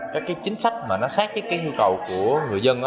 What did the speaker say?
các cái chính sách mà nó sát cái nhu cầu của người dân